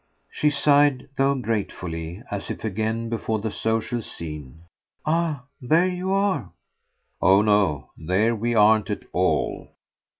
She sighed, though gratefully, as if again before the social scene. "Ah there you are!" "Oh no; there 'we' aren't at all!